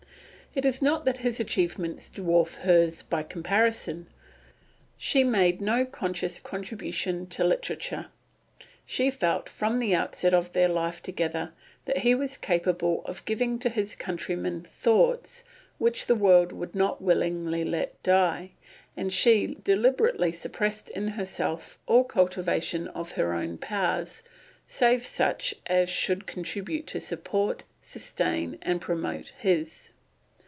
It is not that his achievements dwarf hers by comparison; she made no conscious contribution to literature; she felt from the outset of their life together that he was capable of giving to his countrymen thoughts which the world would not willingly let die, and she deliberately suppressed in herself all cultivation of her own powers, save such as should contribute to support, sustain, and promote his.